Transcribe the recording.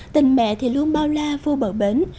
tình mẹ thì luôn bao la vô bờ bến